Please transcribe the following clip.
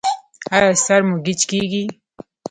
ایا سر مو ګیچ کیږي؟